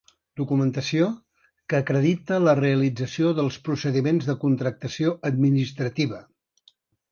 Documentació que acredita la realització dels procediments de contractació administrativa.